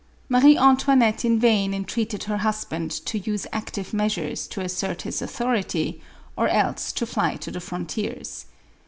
Marie Antoinette in vain entreated her husband to use active measures to assert his authority, or else to fly to the frontiers.